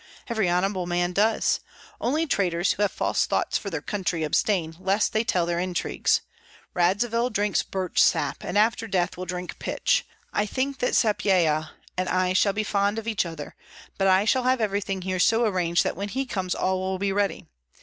every honorable man does. Only traitors, who have false thoughts for their country, abstain, lest they tell their intrigues. Radzivill drinks birch sap, and after death will drink pitch. I think that Sapyeha and I shall be fond of each other; but I shall have everything here so arranged that when he comes all will be ready.